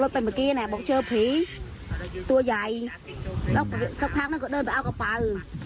แล้วสักพักนั้นก็เดินไปเอากับป่าอื่น